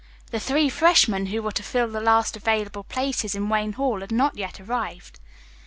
The three freshmen who were to fill the last available places in Wayne Hall had not yet arrived.